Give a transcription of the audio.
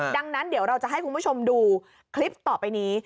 ดังนั้นเดี๋ยวเราจะให้คุณผู้ชมดูคลิปต่อไปนี้